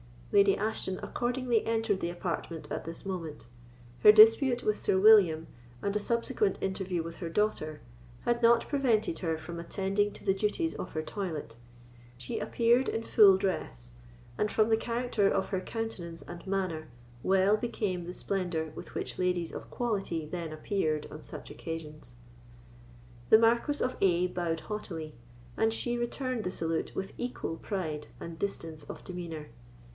Lady Ashton accordingly entered the apartment at this moment. Her dispute with Sir William, and a subsequent interview with her daughter, had not prevented her from attending to the duties of her toilette. She appeared in full dress; and, from the character of her countenance and manner, well became the splendour with which ladies of quality then appeared on such occasions. The Marquis of A—— bowed haughtily, and she returned the salute with equal pride and distance of demeanour.